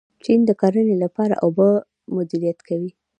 چین د کرنې لپاره اوبه مدیریت کوي.